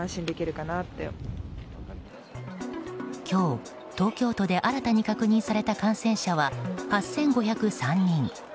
今日、東京都で新たに確認された感染者は８５０３人。